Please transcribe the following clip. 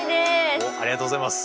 おっありがとうございます。